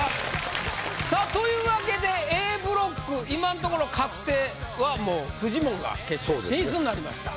さあというわけでＡブロック今のところ確定はもうフジモンが決勝進出になりました。